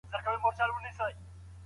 يو پر بل باندي احسان مه اچوئ.